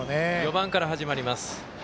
４番から始まります。